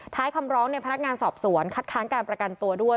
ท้ายคำร้องในพนักงานสอบสวนคัดค้านการประกันตัวด้วย